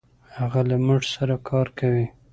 هغه له مونږ سره کار کوي.